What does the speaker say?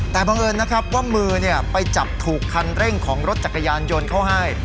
แต่บังเอิญนะครับว่ามือไปจับถูกคันเร่งของรถจักรยานยนต์เขาให้